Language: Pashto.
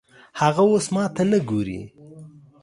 هغه اوس ماته نه ګوري